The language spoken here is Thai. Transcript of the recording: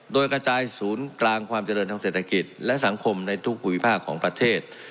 โดยกระจายศูนย์กลางความเจริญทางเศรษฐกิจและสังคมในทุกภูมิภาคของประเทศ